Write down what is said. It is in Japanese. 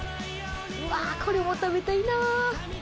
これも食べたいな。